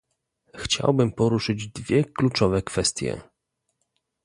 Chciałbym poruszyć dwie kluczowe kwestie